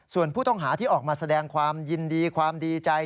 ส่วนผู้ต้องหาที่ออกมาแสดงความยินดีความดีใจ